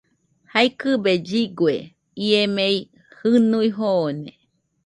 Jaikɨbe lligue, ie mei jɨnui joone.